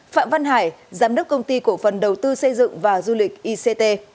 phạm văn hải giám đốc công ty cổ phần đầu tư xây dựng và du lịch ict